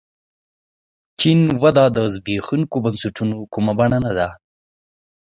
چین وده د زبېښونکو بنسټونو کومه بڼه ده.